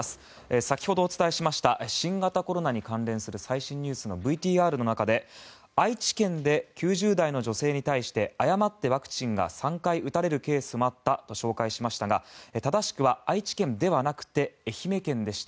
先ほどお伝えしました新型コロナに関連する最新ニュースのＶＴＲの中で愛知県で９０代の女性に対して誤ってワクチンが３回打たれるケースもあったと紹介しましたが正しくは愛知県ではなくて愛媛県でした。